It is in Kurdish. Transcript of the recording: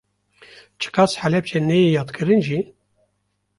Çiqas Helepçe neyê yadkirin jî